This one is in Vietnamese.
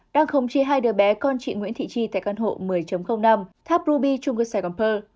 đang khống chi hai đứa bé con chị nguyễn thị tri tại căn hộ một mươi năm tháp ruby trung cư sài gòn pơn